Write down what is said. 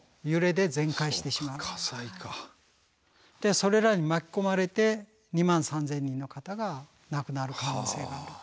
それらに巻き込まれて２万３，０００人の方が亡くなる可能性がある。